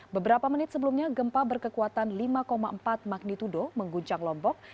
beberapa menit sebelumnya gempa berkekuatan lima empat magnitudo mengguncang lombok